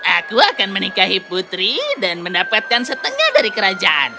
aku akan menikahi putri dan mendapatkan setengah dari kerajaan